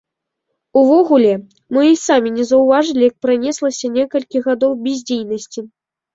Увогуле, мы і самі не заўважылі як пранеслася некалькі гадоў бяздзейнасці.